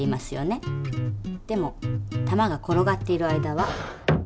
でも玉が転がっている間は。